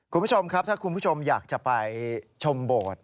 คุณผู้ชมครับถ้าคุณผู้ชมอยากจะไปชมโบสถ์